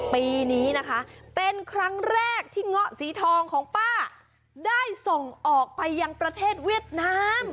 ปีนี้นะคะเป็นครั้งแรกที่เงาะสีทองของป้าได้ส่งออกไปยังประเทศเวียดนาม